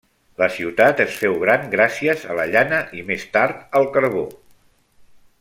La ciutat es féu gran gràcies a la llana i més tard el carbó.